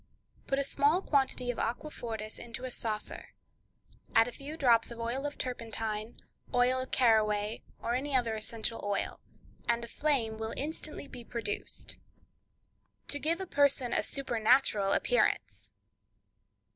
—Put a small quantity of aquafortis into a saucer, add a few drops of oil of turpentine, oil of caraways, or any other essential oil, and a flame will instantly be produced. To Give a Person a Supernatural Appearance.